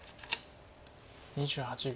２８秒。